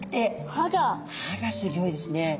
歯がすギョいですね。